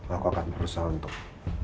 aku akan berusaha untuk